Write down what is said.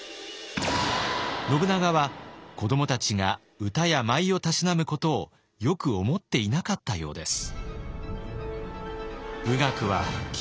信長は子どもたちが歌や舞をたしなむことをよく思っていなかったようです。